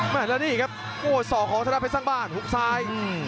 แล้วนี่ครับโอ้ยศอกของธนาปัจสิทธิ์สร้างบ้านหุ้กซ้าย